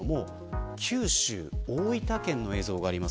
九州、大分県の映像があります。